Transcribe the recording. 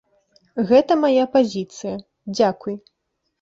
Гэта мая пазіцыя, дзякуй.